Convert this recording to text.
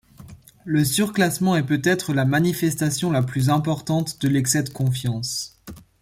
Le surclassement est peut-être la manifestation la plus importante de l'excès de confiance.